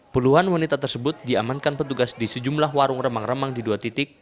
puluhan wanita tersebut diamankan petugas di sejumlah warung remang remang di dua titik